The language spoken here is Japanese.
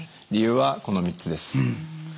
理由はこの３つです。